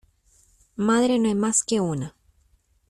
Madre no hay más que una.